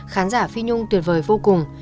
khán giả phí nhung tuyệt vời vô cùng